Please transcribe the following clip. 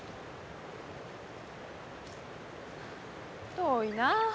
遠いなあ。